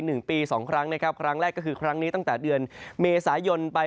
หนึ่งปีสองครั้งนะครับครั้งแรกก็คือครั้งนี้ตั้งแต่เดือนเมษายนไป